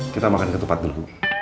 kita makan ke tempat dulu